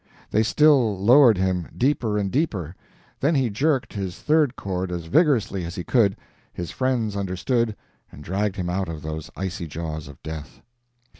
They still lowered him, deeper and deeper. Then he jerked his third cord as vigorously as he could; his friends understood, and dragged him out of those icy jaws of death.